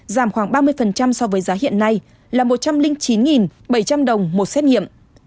giảm khoảng ba mươi so với giá hiện nay là một trăm linh chín bảy trăm linh đồng một xét nghiệm